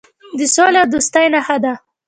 د سولې او دوستۍ نښه ده.